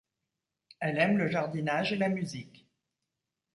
Elle aime le jardinage et la musique.